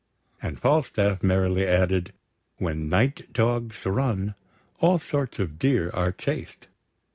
And Falstaff merrily added: When night dogs run, all sorts of deer are chased!